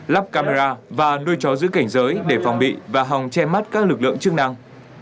lắp camera và nuôi chó giữ cảnh giới để phòng bị và hòng che mắt các lực lượng chức năng